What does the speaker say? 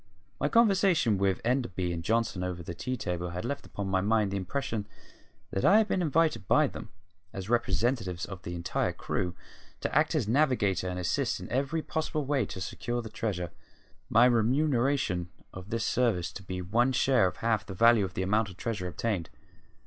My conversation with Enderby and Johnson over the tea table had left upon my mind the impression that I had been invited by them, as representatives of the entire crew, to act as navigator and assist in every possible way to secure the treasure, my remuneration for this service to be one share of half the value of the amount of treasure obtained.